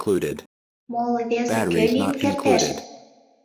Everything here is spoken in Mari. Моло-весе кӧ лийын кертеш?